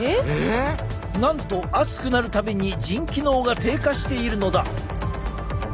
なんと暑くなる度に腎機能が低下しているのだ。